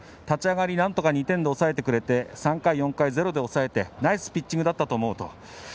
立ち上がりなんとか２点で抑えてくれて３回、４回、ゼロで抑えてナイスピッチングだったと思うと。